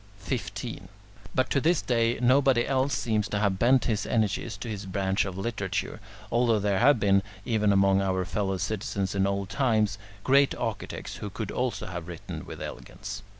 15. But to this day nobody else seems to have bent his energies to this branch of literature, although there have been, even among our fellow citizens in old times, great architects who could also have written with elegance.